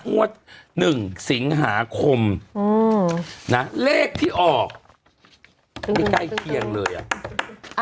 งวดหนึ่งสิงหาคมอืมนะเลขที่ออกไม่ใกล้เคียงเลยอ่ะ